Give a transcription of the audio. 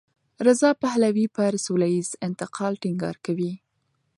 رضا پهلوي پر سولهییز انتقال ټینګار کوي.